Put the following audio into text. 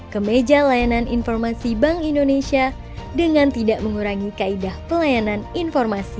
ke meja layanan informasi bank indonesia dengan tidak mengurangi kaedah pelayanan informasi